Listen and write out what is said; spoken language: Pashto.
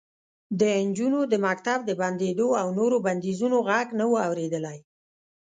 د نجونو د مکتب د بندېدو او نورو بندیزونو غږ نه و اورېدلی